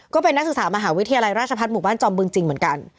ก็เป็นนักศึกษามหาวิทยาลัยราชพัฒน์หมู่บ้านจอมบึงจริงเหมือนกัน